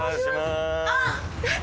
あっ！